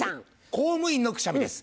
公務員のくしゃみです。